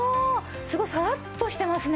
すごいサラッとしてますね。